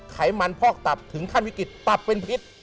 ไขมันพอกตับถึงขั้นวิกฤตตับเป็นพิษ